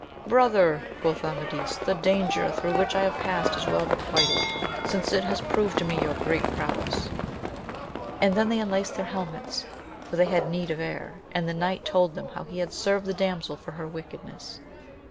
Brother ! quoth Amadis, the danger through which I have passed is well requited, since it has proved to me your great prowess ; and then they unlaced their helmets, for they had need of air, and the knight told them how he had served the damsel for her 'wickedness.